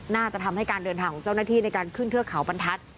น่าจะทำให้การเดินทางของเจ้าหน้าที่ในการขึ้นเทือกเขาบรรทัศน์